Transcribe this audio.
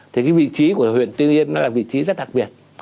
thì cái vị trí của huyện tuyên yên nó là vị trí rất đặc biệt